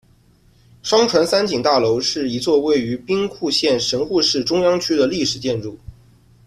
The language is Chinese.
商船三井大楼是一座位于兵库县神户市中央区的历史建筑。